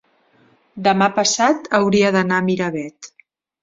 demà passat hauria d'anar a Miravet.